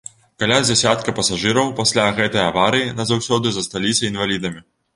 Каля дзясятка пасажыраў пасля гэтай аварыі назаўсёды засталіся інвалідамі.